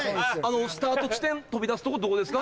スタート地点飛び出すとこどこですか？